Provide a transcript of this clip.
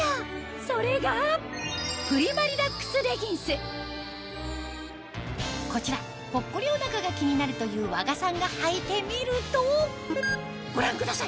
それがこちらぽっこりお腹が気になるという和賀さんがはいてみるとご覧ください